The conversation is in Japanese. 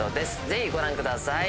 ぜひご覧ください。